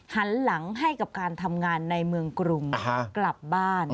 หันหลังให้กับการทำงานในเมืองกรุงกลับบ้าน